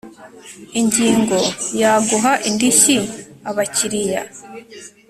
Ingingo ya Guha indishyi abakiriya